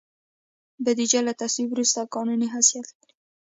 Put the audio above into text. بودیجه له تصویب وروسته قانوني حیثیت لري.